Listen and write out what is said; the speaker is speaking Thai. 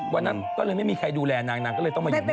วันนั้นก็เลยไม่มีใครดูแลนางนางก็เลยต้องมาอยู่แม่